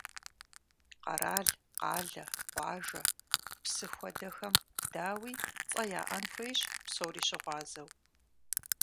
Къэрал, къалэ, къуажэ, псы хуэдэхэм, дауи, цӀэ яӀэн хуейщ псори щыгъуазэу.